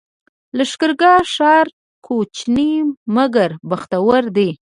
لښکرګاه ښار کوچنی مګر بختور دی